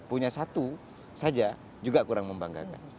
punya satu saja juga kurang membanggakan